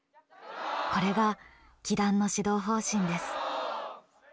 これが輝団の指導方針です。